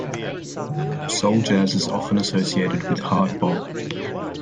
Soul jazz is often associated with hard bop.